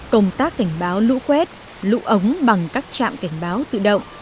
công tác cảnh báo lũ quét lũ ống bằng các trạm cảnh báo tự động